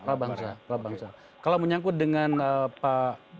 prabangsa prabangsa kalau menyangkut dengan pak